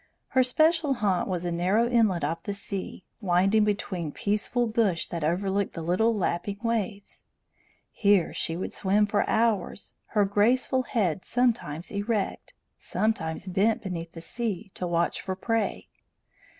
Her special haunt was a narrow inlet of the sea, winding between peaceful bush that overlooked the little lapping waves. Here she would swim for hours, her graceful head sometimes erect, sometimes bent beneath the sea to watch for prey.